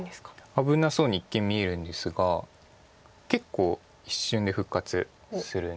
危なそうに一見見えるんですが結構一瞬で復活するんですよね。